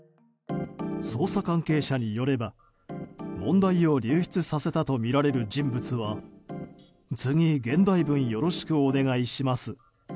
捜査関係者によれば問題を流出させたとみられる人物は次、現代文よろしくお願いします。